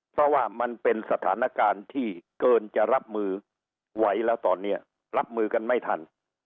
เพราะว่ามันเป็นสถานการณ์ที่เกินจะรับมือไหวแล้วตอนนี้รับมือกันไม่ทัน